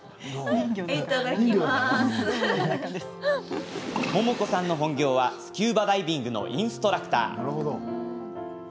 百桃子さんの本業はスキューバダイビングのインストラクター。